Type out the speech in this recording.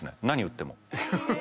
何売っても。